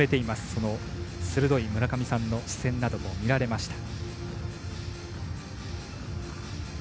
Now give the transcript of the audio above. その鋭い村上さんの視線なども見られました。